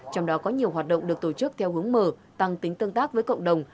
trong đó có nhiều hoạt động được tổ chức theo hướng mở tăng tính tương tác với cộng đồng